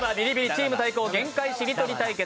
チーム対抗限界しりとり対決！